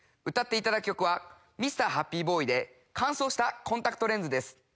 歌っていただく曲はミスターハッピーボーイで「乾燥したコンタクトレンズ」です。